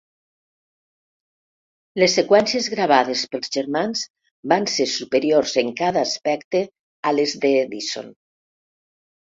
Les seqüències gravades pels germans van ser superiors en cada aspecte a les d’Edison.